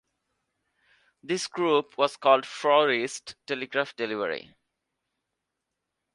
This group was called Florists' Telegraph Delivery.